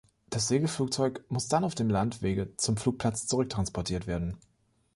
Das Segelflugzeug muss dann auf dem Landwege zum Flugplatz zurücktransportiert werden.